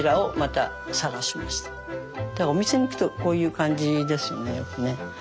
お店に行くとこういう感じですよねよくね。